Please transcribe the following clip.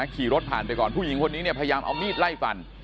ขี่รถผ่านไปก่อนผู้หญิงคนนี้เนี่ยพยายามเอามีดไล่ฟัน